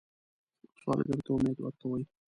سوالګر ته امید ورکوئ